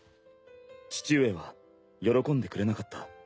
父上は喜んでくれなかった。